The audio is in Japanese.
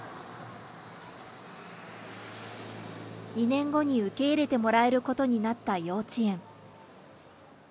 ２年後に受け入れてもらえることになった幼稚園。